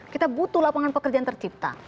kita butuh lapangan pekerjaan tercipta